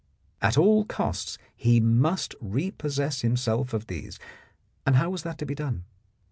At all costs he must repossess himself of these, and how was that to be done?